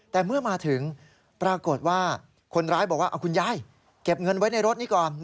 แต่เมื่อมาถึงปรากฏว่าคนร้ายบอกว่าคุณยายเก็บเงินไว้ในรถนี้ก่อน